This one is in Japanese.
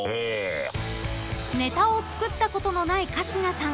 ［ネタを作ったことのない春日さん］